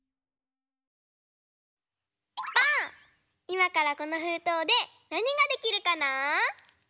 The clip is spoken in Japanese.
いまからこのふうとうでなにができるかな？